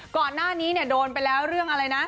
ก่อนหน้านี้เนี่ยโดนไปแล้วเรื่องอะไรนะ